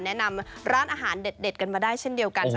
แนะนำร้านอาหารเด็ดกันมาได้เช่นเดียวกัน